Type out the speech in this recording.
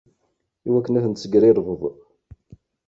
Iwakken ad ten-tessegrirbeḍ.